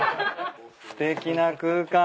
すてきな空間。